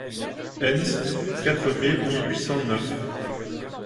Enns, quatre mai mille huit cent neuf.